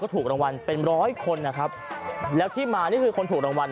คุณผู้ชมไปฟังเสียงกันหน่อยว่าเค้าทำอะไรกันบ้างครับ